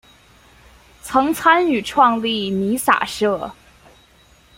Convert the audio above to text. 曾参与创立弥洒社。